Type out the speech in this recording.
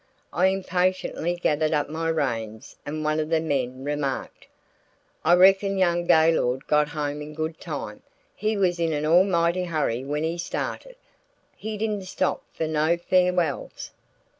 I impatiently gathered up my reins and one of the men remarked: "I reckon young Gaylord got home in good time. He was in an almighty hurry when he started. He didn't stop for no farewells."